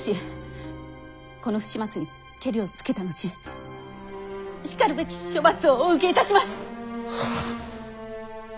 この不始末にケリをつけた後しかるべき処罰をお受けいたします！